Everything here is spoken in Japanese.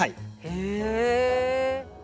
へえ。